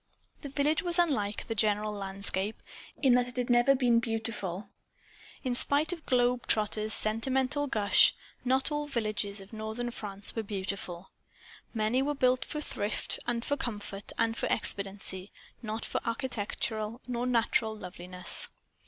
The village was unlike the general landscape, in that it had never been beautiful. In spite of globe trotters' sentimental gush, not all villages of northern France were beautiful. Many were built for thrift and for comfort and for expediency; not for architectural or natural loveliness.